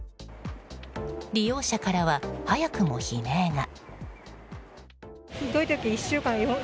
利用者からは早くも悲鳴が。